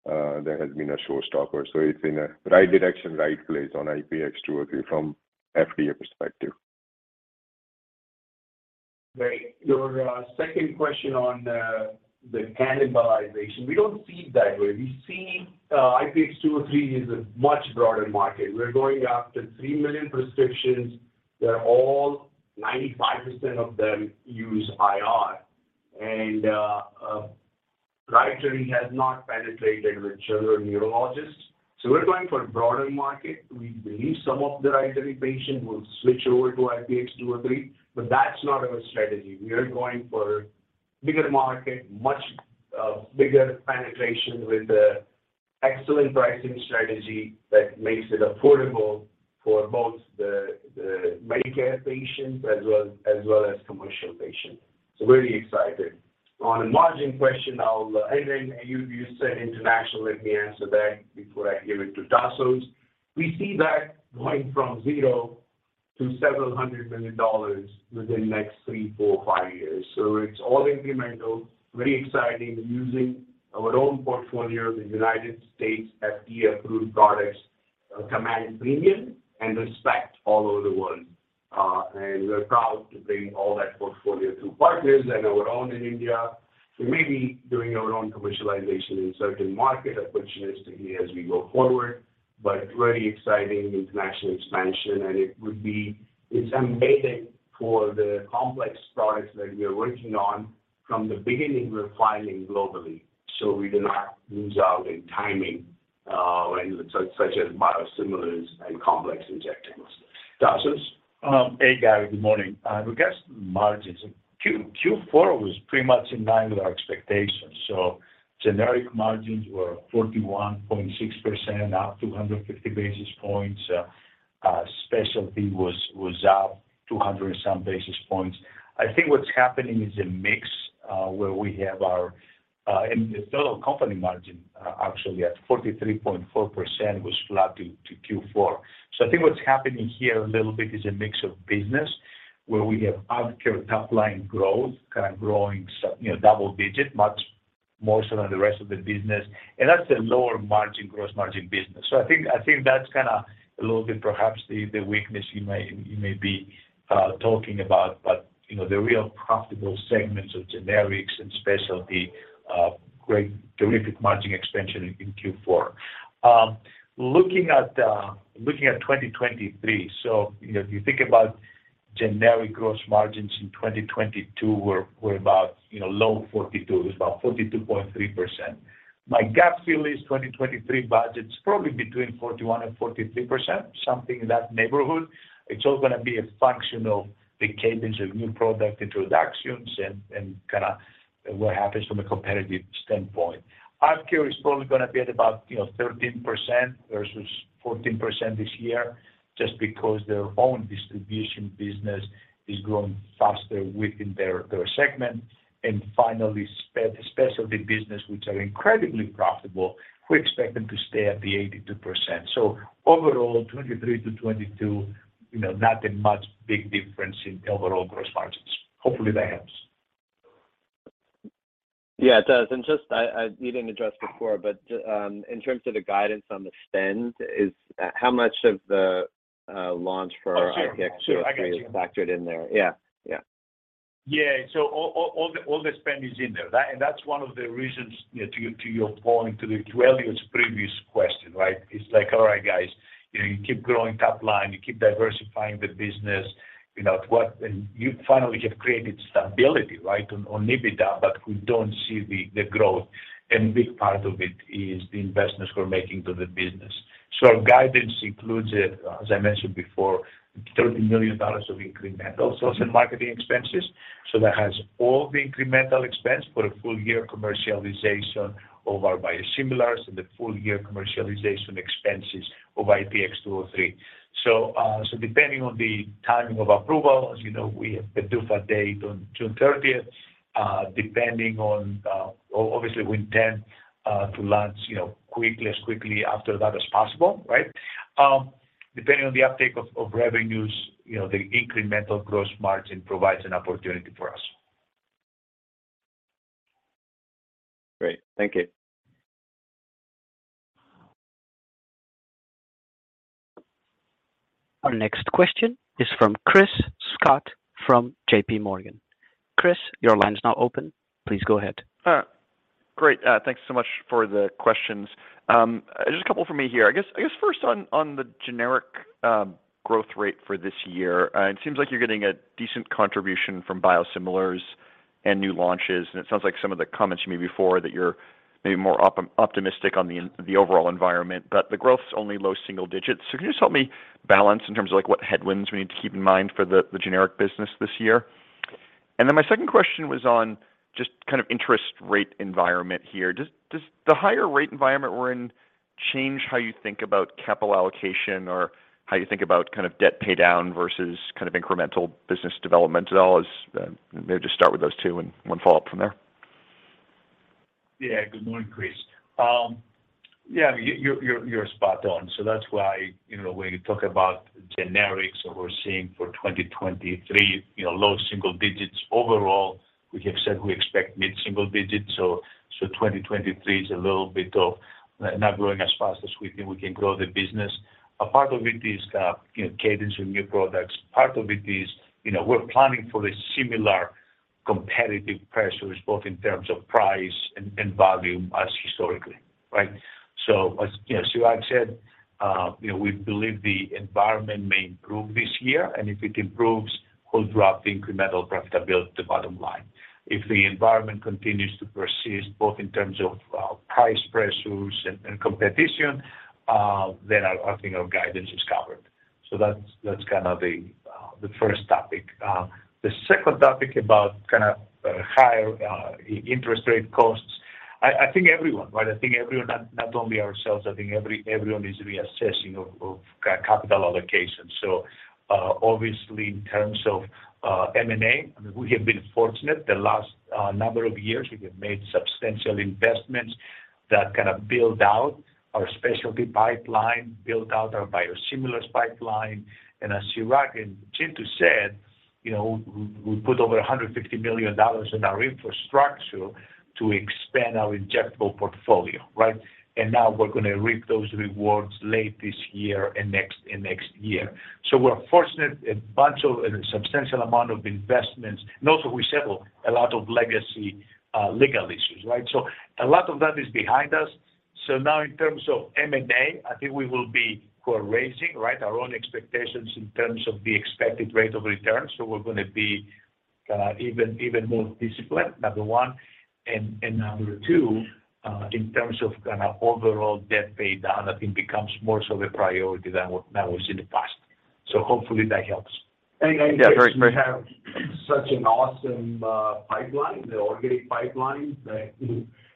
that has been a showstopper, so it's in a right direction, right place on IPX-203 from FDA perspective. Great. Your second question on the cannibalization. We don't see it that way. We see IPX203 is a much broader market. We're going after 3 million prescriptions. 95% of them use IR. RYTARY has not penetrated with children neurologists, we're going for a broader market. We believe some of the RYTARY patients will switch over to IPX203, that's not our strategy. We are going for bigger market, much bigger penetration with a excellent pricing strategy that makes it affordable for both the Medicare patients as well as commercial patients. Very excited. On a margin question, you said international, let me answer that before I give it to Tasos. We see that going from 0 to several hundred million dollars within next 3, 4, 5 years. It's all incremental, very exciting. We're using our own portfolio, the U.S. FDA-approved products, command premium and respect all over the world. We're proud to bring all that portfolio to partners and our own in India. We may be doing our own commercialization in certain market opportunistically as we go forward, very exciting international expansion and it's amazing for the complex products that we are working on from the beginning, we're filing globally, so we do not lose out in timing, such as biosimilars and complex injectables. Tasos. Hey, Gary, good morning. I guess margins in Q4 was pretty much in line with our expectations. Generic margins were 41.6%, up 250 basis points. Specialty was up 200 and some basis points. I think what's happening is a mix, where we have our, and the total company margin actually at 43.4% was flat to Q4. I think what's happening here a little bit is a mix of business where we have AvKARE top line growth kind of growing so, you know, double-digit, much more so than the rest of the business. That's a lower margin, gross margin business. I think that's kinda a little bit perhaps the weakness you may be talking about. You know, the real profitable segments of generics and specialty, great, terrific margin expansion in Q4. Looking at 2023, you know, if you think about generic gross margins in 2022 were about, you know, low 42, it was about 42.3%. My gap fill is 2023 budgets, probably between 41%-43%, something in that neighborhood. AvKARE is probably gonna be at about, you know, 13% versus 14% this year just because their own distribution business is growing faster within their segment. Finally, specialty business, which are incredibly profitable, we expect them to stay at the 82%. Overall, 2023 to 2022, you know, not a much big difference in overall gross margins. Hopefully that helps. Yeah, it does. Just you didn't address before, but in terms of the guidance on the spend is how much of the launch for IPX-203 is factored in there? Yeah. Yeah. Yeah. All the spend is in there. That's one of the reasons, you know, to your, to your point, to Elliot's previous question, right? It's like, all right, guys, you know, you keep growing top line, you keep diversifying the business, you know, and you finally have created stability, right, on EBITDA, but we don't see the growth, and a big part of it is the investments we're making to the business. Our guidance includes it, as I mentioned before, $30 million of incremental sales and marketing expenses. That has all the incremental expense for a full year commercialization of our biosimilars and the full year commercialization expenses of IPX-203. Depending on the timing of approval, as you know, we have the PDUFA date on June 30th. Depending on, obviously, we intend to launch, you know, quickly, as quickly after that as possible, right? Depending on the uptake of revenues, you know, the incremental gross margin provides an opportunity for us. Great. Thank you. Our next question is from Chris Schott from JPMorgan. Chris, your line is now open. Please go ahead. All right. Great. Thanks so much for the questions. Just a couple from me here. I guess first on the generic growth rate for this year. It seems like you're getting a decent contribution from biosimilars and new launches, and it sounds like some of the comments you made before that you're maybe more optimistic on the overall environment, but the growth's only low single digits. Can you just help me balance in terms of, like, what headwinds we need to keep in mind for the generic business this year? My second question was on just kind of interest rate environment here. Does the higher rate environment we're in change how you think about capital allocation or how you think about kind of debt pay down versus kind of incremental business development at all? Maybe just start with those 2 and 1 follow-up from there. Good morning, Chris. Yeah, you're spot on. That's why, you know, when you talk about generics that we're seeing for 2023, you know, low single digits overall, we have said we expect mid-single digits. 2023 is a little bit of not growing as fast as we think we can grow the business. A part of it is, you know, cadence and new products. Part of it is, you know, we're planning for a similar competitive pressures, both in terms of price and volume as historically, right. As, you know, Chirag said, you know, we believe the environment may improve this year, and if it improves, we'll drop the incremental profitability bottom line. If the environment continues to persist, both in terms of price pressures and competition, then I think our guidance is covered. That's kind of the first topic. The second topic about kind of higher interest rate costs. I think everyone, right, I think everyone, not only ourselves, I think everyone is reassessing of capital allocations. Obviously, in terms of M&A, I mean, we have been fortunate the last number of years, we have made substantial investments that kind of build out our specialty pipeline, build out our biosimilars pipeline. As Chirag and Chintu said, you know, we put over $150 million in our infrastructure to expand our injectable portfolio, right? Now we're going to reap those rewards late this year and next year. We're fortunate a substantial amount of investments, and also we settle a lot of legacy legal issues, right? A lot of that is behind us. Now in terms of M&A, I think we will be core raising, right, our own expectations in terms of the expected rate of return. We're gonna be kinda even more disciplined, number one. Number two, in terms of kinda overall debt pay down, I think becomes more so a priority than what, than it was in the past. Hopefully that helps. Yeah. Since we have such an awesome pipeline, the organic pipeline, right,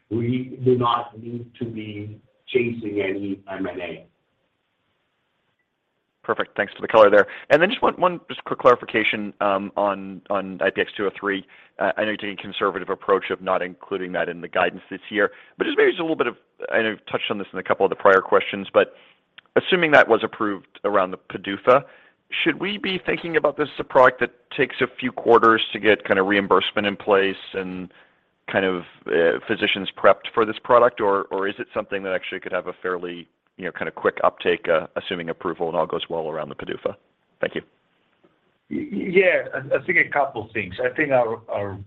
we do not need to be chasing any M&A. Perfect. Thanks for the color there. Just one quick clarification, on IPX203. I know you're taking a conservative approach of not including that in the guidance this year. I know you've touched on this in a couple of the prior questions, but assuming that was approved around the PDUFA, should we be thinking about this as a product that takes a few quarters to get kinda reimbursement in place and kind of physicians prepped for this product, or is it something that actually could have a fairly, you know, kinda quick uptake assuming approval and all goes well around the PDUFA? Thank you. Yeah. I think a couple things. I think our...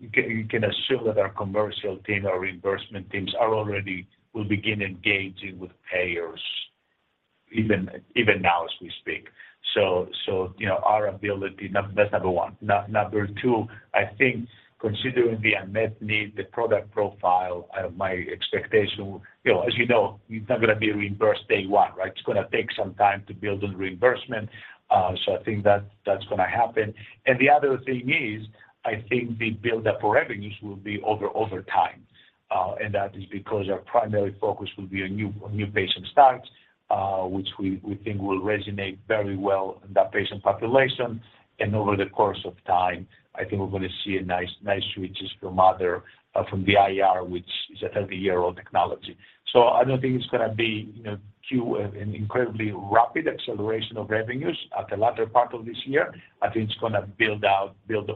You can assume that our commercial team, our reimbursement teams are already will begin engaging with payers even now as we speak. You know, our ability, that's number one. Number two, I think considering the unmet need, the product profile, my expectation... You know, as you know, it's not gonna be reimbursed day one, right? It's gonna take some time to build on reimbursement. I think that that's gonna happen. The other thing is, I think the build up for revenues will be over time. That is because our primary focus will be a new patient starts, which we think will resonate very well in that patient population. Over the course of time, I think we're gonna see a nice switches from other, from the IR, which is a 30-year-old technology. I don't think it's gonna be, you know, an incredibly rapid acceleration of revenues at the latter part of this year. I think it's gonna build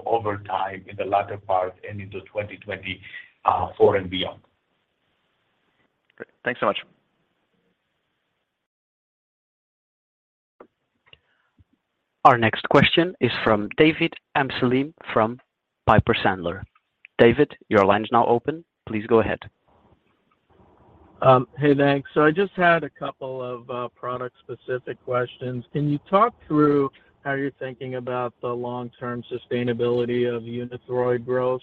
over time in the latter part and into 2020 forward and beyond. Great. Thanks so much. Our next question is from David Amsellem from Piper Sandler. David, your line is now open. Please go ahead. Hey, thanks. I just had a couple of product-specific questions. Can you talk through how you're thinking about the long-term sustainability of Unithroid growth?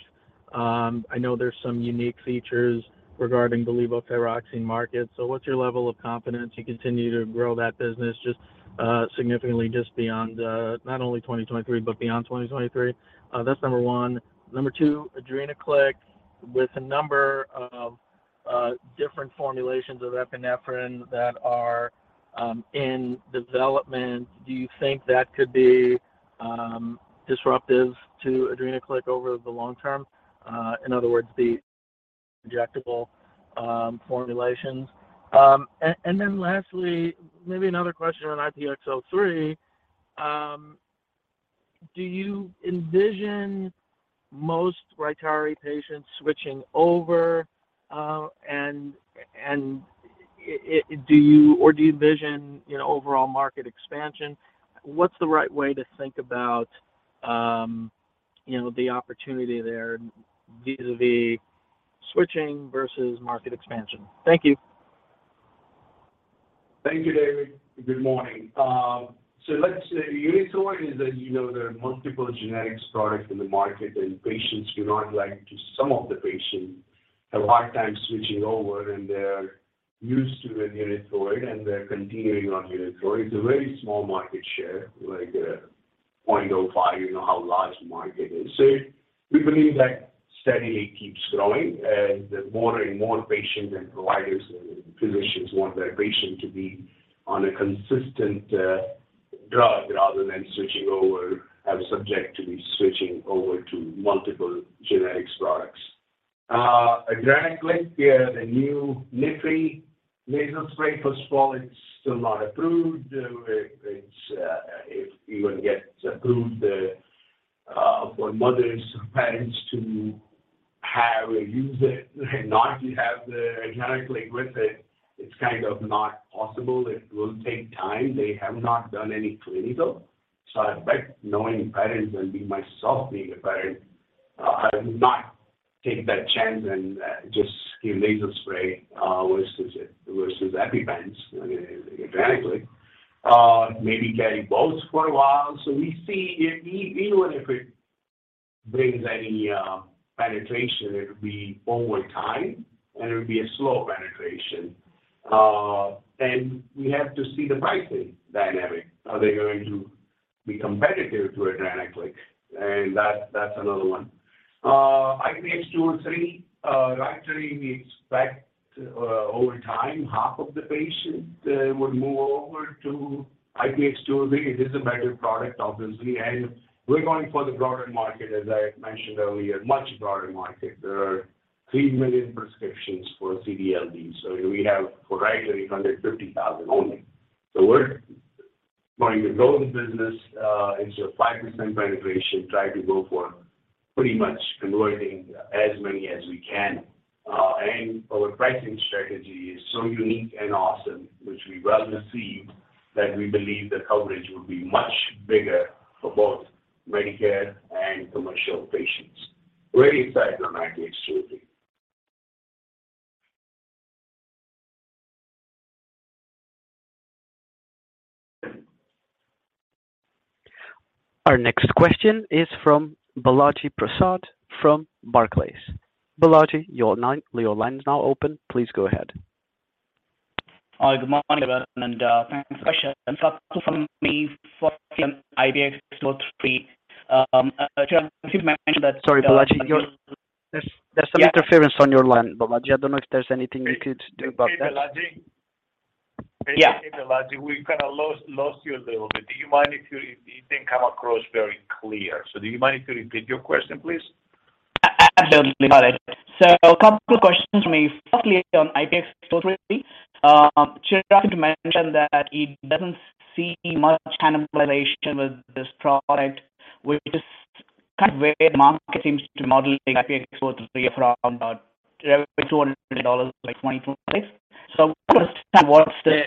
I know there's some unique features regarding the levothyroxine market. What's your level of confidence you continue to grow that business just significantly just beyond not only 2023, but beyond 2023? That's number 1. Number 2, Adrenaclick with a number of different formulations of epinephrine that are in development. Do you think that could be disruptive to Adrenaclick over the long term? In other words. Injectable formulations. Then lastly, maybe another question on IPX-203. Do you envision most RYTARY patients switching over, and do you or do you envision, you know, overall market expansion? What's the right way to think about, you know, the opportunity there vis-a-vis switching versus market expansion? Thank you. Thank you, David. Good morning. Let's say Unithroid is a, you know, there are multiple generic products in the market, and some of the patients have a hard time switching over, and they're used to the Unithroid, and they're continuing on Unithroid. It's a very small market share, like 0.05. You know how large the market is. We believe that steadily keeps growing, and that more and more patients and providers and physicians want their patient to be on a consistent drug rather than switching over and subject to be switching over to multiple generic products. Adrenaclick, yeah, the new Mypri nasal spray for small, it's still not approved. If you will get approved for mothers, parents to have or use it, not to have the Adrenaclick with it's not possible. It will take time. They have not done any clinical, I bet knowing parents and being myself being a parent, I would not take that chance and just give nasal spray versus it, versus EpiPen, Adrenaclick. Maybe carry both for a while. We see if even if it brings any penetration, it would be over time, and it would be a slow penetration. We have to see the pricing dynamic. Are they going to be competitive to Adrenaclick? That's another one. IPX-203, Rytary, we expect over time, half of the patients would move over to IPX-203. It is a better product, obviously, we're going for the broader market, as I mentioned earlier, much broader market. There are 3 million prescriptions for CD/LD. We have for RYTARY, 150,000 only. We're going to grow the business, into a 5% penetration, try to go for pretty much converting as many as we can. Our pricing strategy is so unique and awesome, which we well received that we believe that coverage will be much bigger for both Medicare and commercial patients. Really excited on IPX-203. Our next question is from Balaji Prasad from Barclays. Balaji, your line is now open. Please go ahead. Good morning, everyone, and thanks, Ash. From me for IPX-203, Chirag, you mentioned. Sorry, Balaji. There's some interference on your line, Balaji. I don't know if there's anything you could do about that. Hey, Balaji. Yeah. Hey, Balaji. We've kinda lost you a little bit. You didn't come across very clear. Do you mind if you repeat your question, please? Absolutely. A couple of questions from me. Firstly, on IPX-203, Chirag mentioned that he doesn't see much cannibalization with this product, which is kind of where the market seems to model IPX-203 from, revenue $200 million by 2025. I was kind of what's the-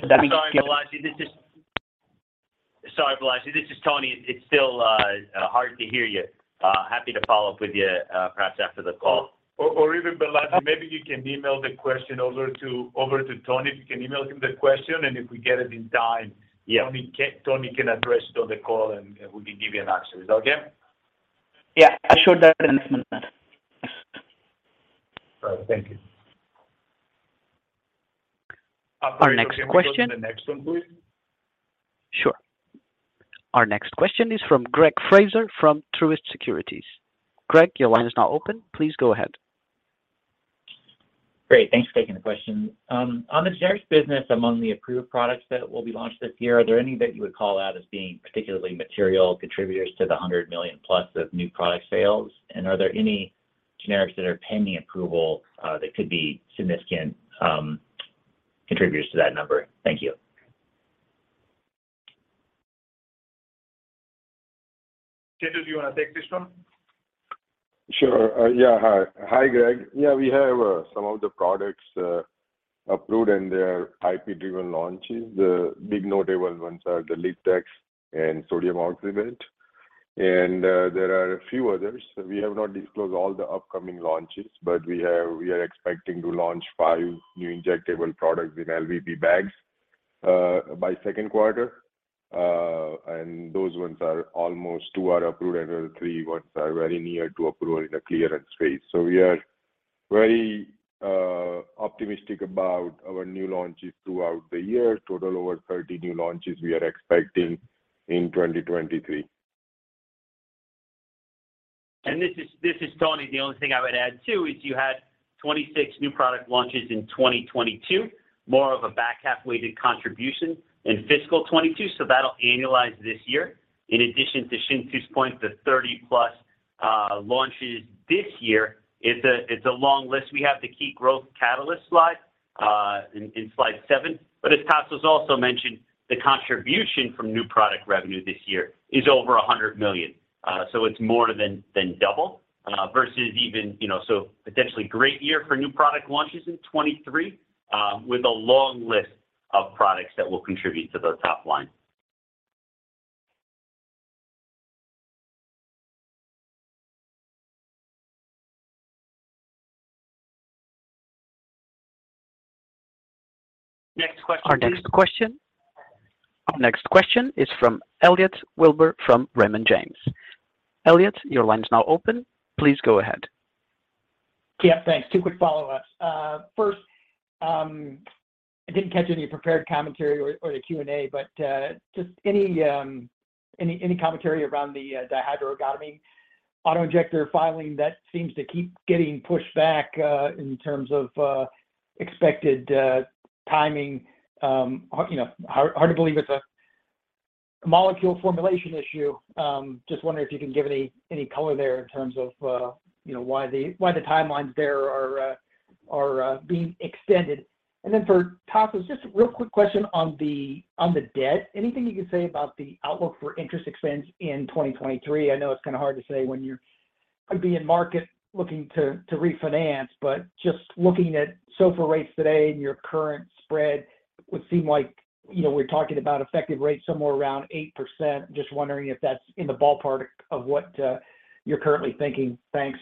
Sorry, Balaji. This is Tony. It's still hard to hear you. Happy to follow up with you, perhaps after the call. Even Balaji, maybe you can email the question over to Tony. If you can email him the question, and if we get it in time. Yeah. Tony can address it on the call, and we can give you an answer. Is that okay? Yeah. I'll share that in just a minute. All right. Thank you. Our next question. Ash, can we go to the next one, please? Our next question is from Greg Fraser from Truist Securities. Greg, your line is now open. Please go ahead. Great. Thanks for taking the question. On the generics business, among the approved products that will be launched this year, are there any that you would call out as being particularly material contributors to the $100 million plus of new product sales? Are there any generics that are pending approval that could be significant contributors to that number? Thank you. Chintu, do you wanna take this one? Sure. Hi, Greg. We have some of the products approved, and they are IP-driven launches. The big notable ones are the Liptex and sodium oxybate. There are a few others. We have not disclosed all the upcoming launches, but we are expecting to launch five new injectable products in LVP bags by second quarter. Those ones are almost two are approved, and other three ones are very near to approval in the clearance phase. We are very optimistic about our new launches throughout the year. Total over 30 new launches we are expecting in 2023. This is Tony. The only thing I would add too is you had 26 new product launches in 2022, more of a back half weighted contribution in fiscal 2022, so that'll annualize this year. In addition to Chintu's point. Launches this year, it's a long list. We have the key growth catalyst slide in slide 7. As Tasos also mentioned, the contribution from new product revenue this year is over $100 million. It's more than double, versus even, you know, potentially great year for new product launches in 2023 with a long list of products that will contribute to the top line. Next question, please. Our next question is from Elliot Wilbur from Raymond James. Elliot, your line's now open. Please go ahead. Yeah, thanks. Two quick follow-ups. First, I didn't catch any prepared commentary or the Q&A, just any commentary around the dihydroergotamine auto-injector filing that seems to keep getting pushed back in terms of expected timing. You know, hard to believe it's a molecule formulation issue. Just wondering if you can give any color there in terms of, you know, why the timelines there are being extended. For Tasos, just a real quick question on the debt. Anything you can say about the outlook for interest expense in 2023? I know it's kinda hard to say when could be in market looking to refinance, but just looking at SOFR rates today and your current spread would seem like, you know, we're talking about effective rates somewhere around 8%. Just wondering if that's in the ballpark of what you're currently thinking. Thanks.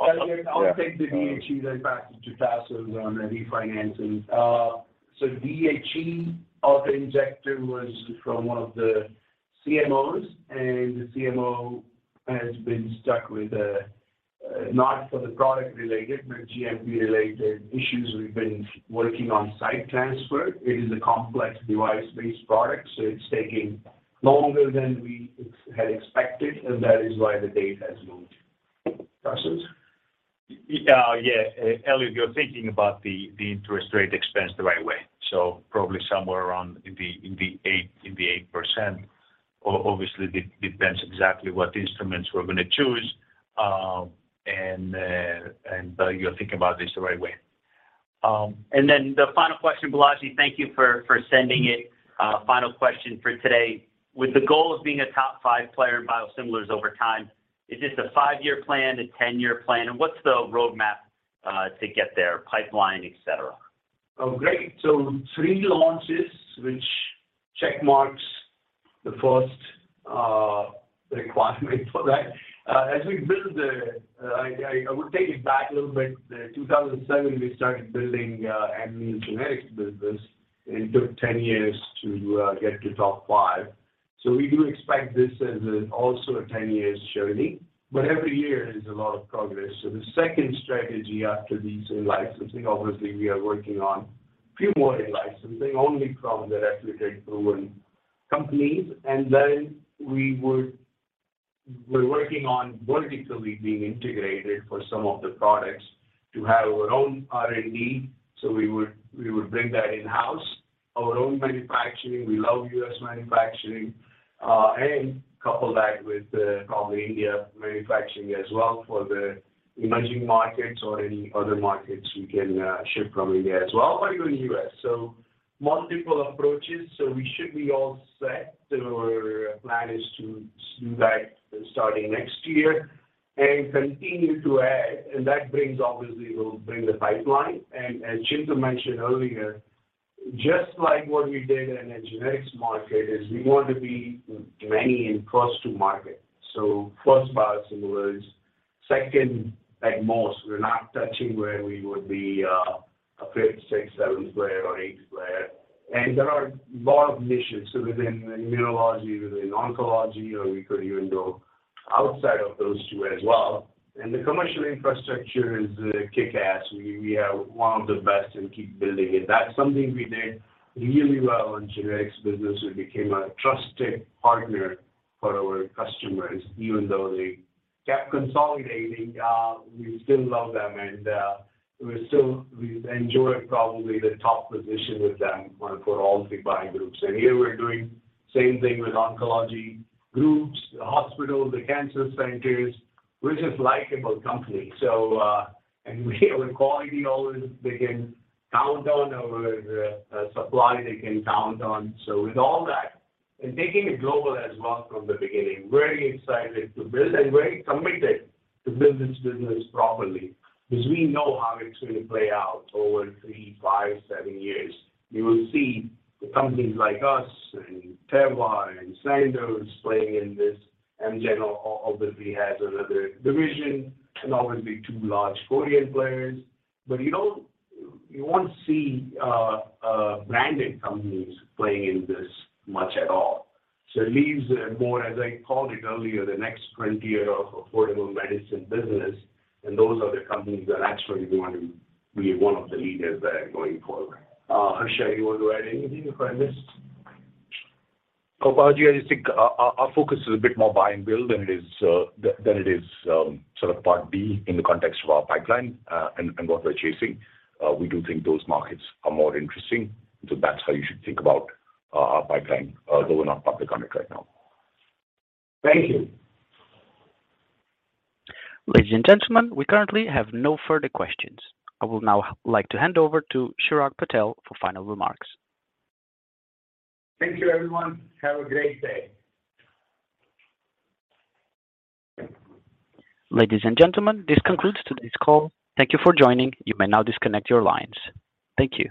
I'll take the DHE then pass it to Tasos on the refinancing. DHE auto-injector was from one of the CMOs, and the CMO has been stuck with not for the product related, but GMP-related issues we've been working on site transfer. It is a complex device-based product, so it's taking longer than we had expected, and that is why the date has moved. Tasos? Yeah, Elliot, you're thinking about the interest rate expense the right way. Probably somewhere around in the 8%. Obviously, depends exactly what instruments we're gonna choose. And you're thinking about this the right way. The final question, Balaji, thank you for sending it. Final question for today. With the goal of being a top 5 player in biosimilars over time, is this a 5-year plan, a 10-year plan? What's the roadmap to get there, pipeline, et cetera? Oh, great. Three launches, which check marks the first, requirement for that. As we build the, I will take it back a little bit. 2007, we started building, Amneal generics business. It took 10 years to get to top five. We do expect this as a also a 10 years journey. Every year is a lot of progress. The second strategy after these in-licensing, obviously we are working on few more in-licensing only from the replicate proven companies. We're working on vertically being integrated for some of the products to have our own R&D. We would bring that in-house. Our own manufacturing, we love U.S. manufacturing, and couple that with, probably India manufacturing as well for the emerging markets or any other markets we can, ship from India as well, but even U.S. Multiple approaches, so we should be all set. Our plan is to do that starting next year and continue to add. That brings, obviously, will bring the pipeline. As Chintu mentioned earlier, just like what we did in the generics market, is we want to be many and close to market. First biosimilars, second at most, we're not touching where we would be, a fifth, sixth, seventh player or eighth player. There are lot of niches, so within immunology, within oncology, or we could even go outside of those two as well. The commercial infrastructure is, kick-ass. We have one of the best and keep building it. That's something we did really well in generics business. We became a trusted partner for our customers. Even though they kept consolidating, we still love them and we still enjoy probably the top position with them for all the buying groups. Here we're doing same thing with oncology groups, the hospitals, the cancer centers. We're just likable company. And we, with quality always they can count on our supply they can count on. With all that, and taking it global as well from the beginning, very excited to build and very committed to build this business properly 'cause we know how it's gonna play out over three, five, seven years. You will see the companies like us and Teva and Sandoz playing in this. Amgen obviously has another division and obviously two large Korean players. You won't see branded companies playing in this much at all. It leaves more, as I called it earlier, the next 20 year of affordable medicine business, and those are the companies that actually we wanna be one of the leaders there going forward. Harsher, you want to add anything if I missed? Balaji, I just think our focus is a bit more buy and build than it is sort of Part B in the context of our pipeline, and what we're chasing. We do think those markets are more interesting. That's how you should think about our pipeline, though we're not public on it right now. Thank you. Ladies and gentlemen, we currently have no further questions. I would now like to hand over to Chirag Patel for final remarks. Thank you, everyone. Have a great day. Ladies and gentlemen, this concludes today's call. Thank you for joining. You may now disconnect your lines. Thank you.